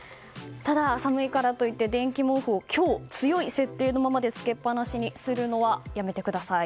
ただ、寒いからといって電気毛布を強の設定のままでつけっぱなしにするのはやめてください。